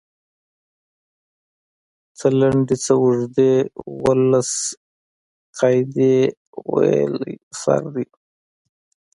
څۀ لنډې څۀ اوږدې اووه لس قاعدې ويلی سر دی